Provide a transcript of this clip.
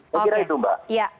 saya kira itu mbak